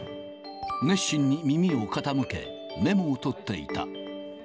熱心に耳を傾け、メモを取っていた。